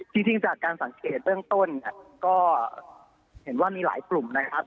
จริงจากการสังเกตเบื้องต้นเนี่ยก็เห็นว่ามีหลายกลุ่มนะครับ